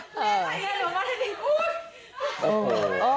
เฮ่ยหลบมาให้เด็กพูด